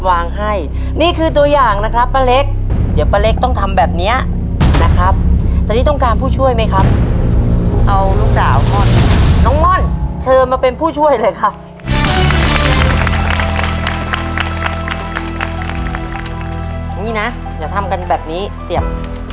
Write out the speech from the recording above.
อย่างงี้นะเดี๋ยวทำกันแบบนี้เสียบ